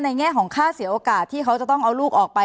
แง่ของค่าเสียโอกาสที่เขาจะต้องเอาลูกออกไป